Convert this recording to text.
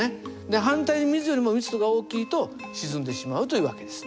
で反対に水よりも密度が大きいと沈んでしまうという訳です。